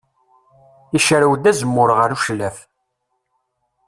Icerrew-d azemmur ɣer ucellaf.